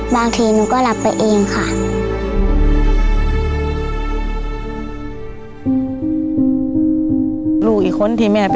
ลองกันถามอีกหลายเด้อ